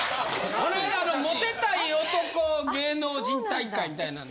これモテたい男芸能人大会みたいなんで。